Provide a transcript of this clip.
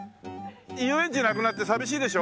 遊園地なくなって寂しいでしょ？